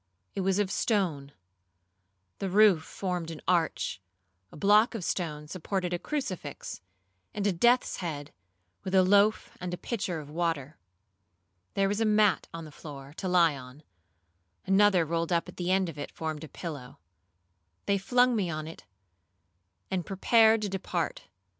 It was of stone; the roof formed an arch; a block of stone supported a crucifix, and a death's head, with a loaf and a pitcher of water. There was a mat on the floor, to lie on; another rolled up at the end of it formed a pillow. They flung me on it, and prepared to depart.